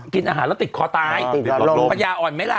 กินอาหารแล้วติดคอตายปัญญาอ่อนไหมล่ะ